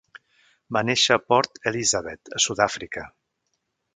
Van néixer a Port Elisabeth a Sud-àfrica.